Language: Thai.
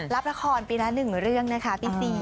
รับราคอนปีละหนึ่งเรื่องนะคะปี๔